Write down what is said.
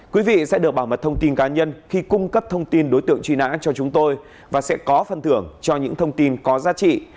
quý vị sẽ được bảo mật thông tin cá nhân khi cung cấp thông tin đối tượng truy nã cho chúng tôi và sẽ có phần thưởng cho những thông tin có giá trị